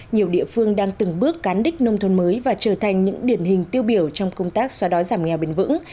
nhiều địa phương đang từng bước cán đích nông thôn mới và trở thành những điển hình tiêu biểu trong công tác xóa đói giảm nghèo bền vững